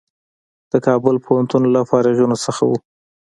د کابل پوهنتون له فارغینو څخه و.